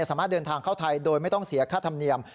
สามารถเดินทางเข้าไทยโดยไม่ต้องเสียค่าธรรมเนียม